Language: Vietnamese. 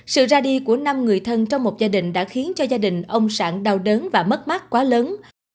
sự ra đi của năm người thân trong một gia đình đã khiến cho gia đình ông sản đau đớn và mất mắt quá lớn